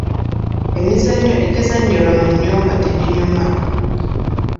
Emizannyo egizanyirwa mu nnyumba teginyuma.